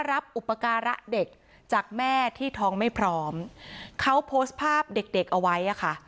อุปการะเด็กจากแม่ที่ท้องไม่พร้อมเขาโพสต์ภาพเด็กเด็กเอาไว้อ่ะค่ะ